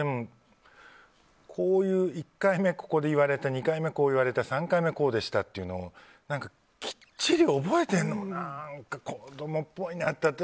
こういう１回目、ここで言われた２回目、こう言われた３回目、こうでしたっていうのをきっちり覚えてるのも何か子供っぽいなって。